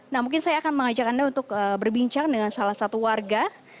nah mungkin saya akan mengajak anda untuk berbincang dengan salah satu warga